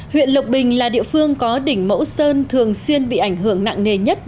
huyện lộc bình là địa phương có đỉnh mẫu sơn thường xuyên bị ảnh hưởng nặng nề nhất